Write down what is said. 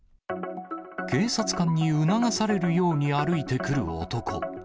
警察官に促されるように歩いてくる男。